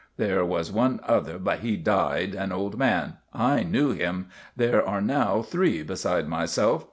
There was one other, but he died, an old man. I knew him. There are now three beside myself.